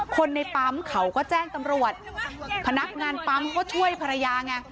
คนในปั๊มเขาก็แจ้งตำรวจพนักงานปั๊มเขาก็ช่วยภรรยาไง